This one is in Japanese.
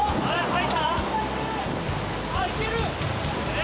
いける。